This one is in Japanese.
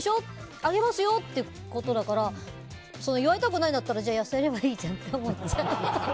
あげますよってことだから言われたくないんだったら痩せればいいじゃんって思っちゃう。